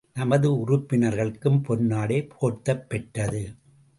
நமது உறுப்பினர்களுக்கும் பொன்னாடை போர்த்தப் பெற்றது.